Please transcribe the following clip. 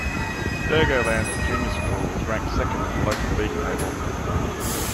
Thurgoland Junior School is ranked second in the local league table.